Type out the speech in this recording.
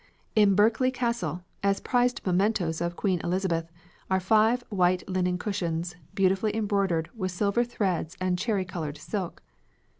In Berkeley Castle, as prized mementoes of Queen Elizabeth, are five white linen cushions beautifully embroidered with silver threads and cherry coloured silk.